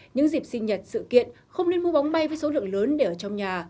những dịp sinh nhật sự kiện không nên mua bóng bay với số lượng lớn để ở trong nhà